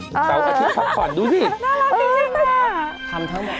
แต่ว่าทิศค่อนดูสิน่ารักจริงนะครับทำทั้งหมด